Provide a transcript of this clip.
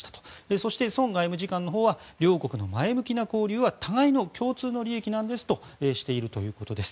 そして、ソン外務次官のほうは両国の前向きな交流は互いの共通の利益なんですとしているということです。